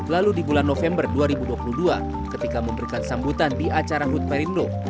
lalu di bulan november dua ribu dua puluh dua ketika memberikan sambutan di acara hut perindo